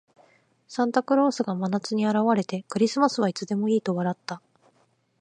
サンタクロースが真夏に現れて、「クリスマスはいつでもいい」と笑った。